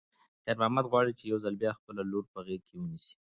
خیر محمد غواړي چې یو ځل بیا خپله لور په غېږ کې ونیسي.